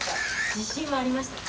自信はありました？